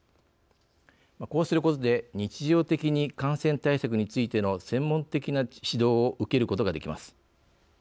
こうすることで日常的に感染対策についての専門的な指導を受けることができます。